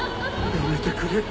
やめてくれ。